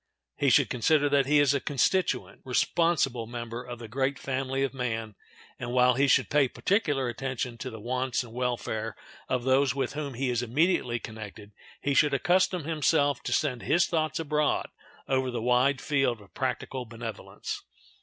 He should consider that he is a constituent, responsible member of the great family of man, and, while he should pay particular attention to the wants and welfare of those with whom he is immediately connected, he should accustom himself to send his thoughts abroad over the wide field of practical benevolence.